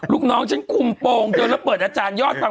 ลูกน้องฉันคุมโปรงเธอแล้วเปิดอาจารยอดฟัง